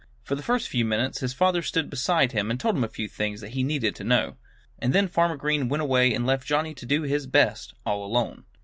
For a few minutes his father stood beside him and told him a few things that he needed to know. And then Farmer Green went away and left Johnnie to do his best all alone.